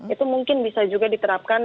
itu mungkin bisa juga diterapkan